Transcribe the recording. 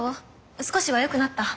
少しはよくなった？